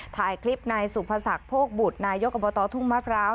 ถ่ายคลิปในสุพศักดิ์โผกบุรุษนายนยกอภตทุ่งมพร้าว